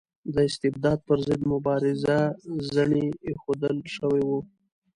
د استبداد پر ضد مبارزه زڼي ایښودل شوي وو.